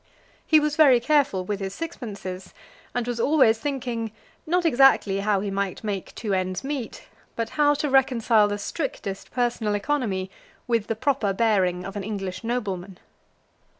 He was very careful with his sixpences, and was always thinking, not exactly how he might make two ends meet, but how to reconcile the strictest personal economy with the proper bearing of an English nobleman.